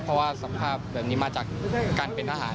เพราะว่าสภาพแบบนี้มาจากการเป็นทหาร